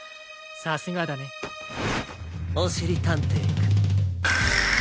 さすがだねおしりたんていくん。